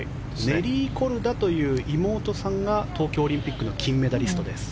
ネリー・コルダという妹さんが東京オリンピックの金メダリストです。